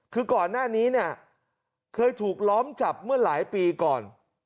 คือก่อนหน้านี้เนี่ยเคยถูกล้อมจับเมื่อหลายปีก่อน